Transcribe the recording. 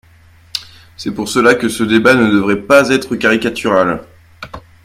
C’est pour cela que ce débat ne devrait pas être caricatural.